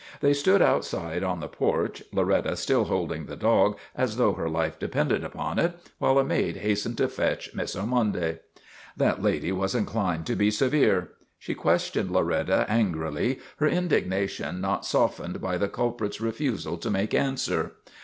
They stood outside on the porch, Loretta still holding the dog as though her life depended upon it, while a maid hastened to fetch Miss Ormonde. That lady was inclined to be severe. She ques 88 MADNESS OF ANTONY SPATOLA tioned Loretta angrily, her indignation not softened by the culprit's refusal to make answer.